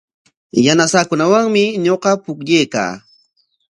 Yanasaakunawanmi ñuqa pukllaykaa.